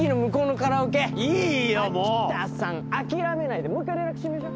柿田さん諦めないでもう１回連絡してみましょう。